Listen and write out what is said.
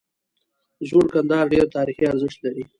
زوړ کندهار ډیر تاریخي ارزښت لري